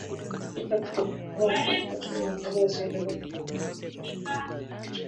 kichawi hukoKuna muda hofu ya wachuna ngozi ilikuwapo kubwa miaka ya tisini na